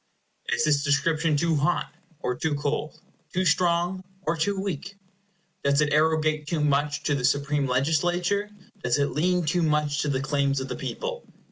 Is this description too hot, or too cold; too strong, or too weak? Does it arrogate too much to the supreme legislature? Does it lean too much to the claims of the people?